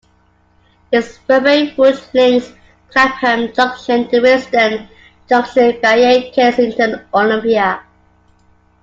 This railway route links Clapham Junction to Willesden Junction via Kensington Olympia.